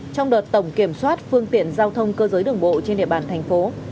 trong đợt tổng kiểm soát phương tiện giao thông cơ giới đường bộ trên địa bàn thành phố